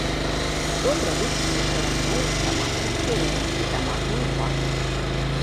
З добра выспелых вырабляюць таматнае пюрэ і таматную пасту.